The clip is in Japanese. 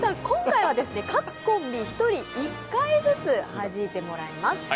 今回は、各コンビ１人１回ずつはじいてもらいます。